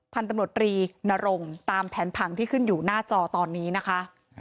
พันธุ์ตำรวจรีนรงตามแผนผังที่ขึ้นอยู่หน้าจอตอนนี้นะคะ